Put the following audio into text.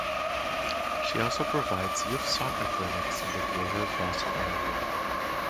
She also provides youth soccer clinics in the greater Boston area.